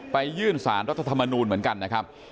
ไปยื่นสารรัฐธรรมนูลเหมือนกันนะครับ